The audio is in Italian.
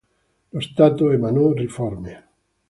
Lo stato emanò riforme.